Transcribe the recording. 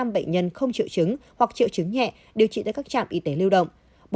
hai bốn trăm chín mươi năm bệnh nhân không triệu chứng hoặc triệu chứng nhẹ điều trị tại các trạm y tế lưu động